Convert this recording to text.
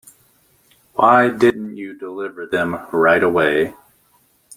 Why didn't you deliver them right away?